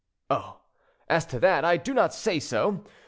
"Oh! as to that, I do not say no.